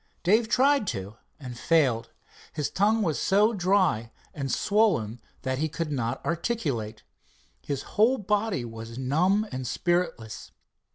Dave tried to and failed. His tongue was so dry and swollen that he could not articulate. His whole body was numb and spiritless.